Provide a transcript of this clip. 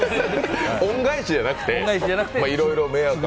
恩返しじゃなくて、償いを。